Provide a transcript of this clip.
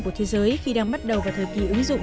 của thế giới khi đang bắt đầu vào thời kỳ ứng dụng